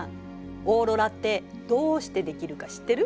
オーロラってどうして出来るか知ってる？